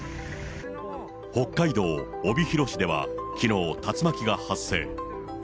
北海道帯広市ではきのう、竜巻が発生。